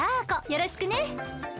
よろしくね。